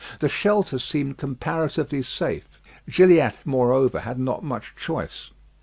The shelter seemed comparatively safe. Gilliatt, moreover, had not much choice.